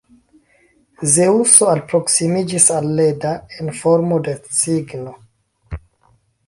Zeŭso alproksimiĝis al Leda en formo de cigno.